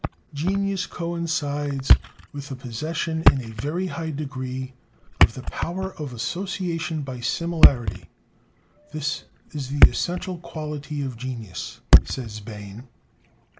"Genius coincides with the possession in a very high degree of the power of association by similarity. This is the essential quality of genius," says Bain.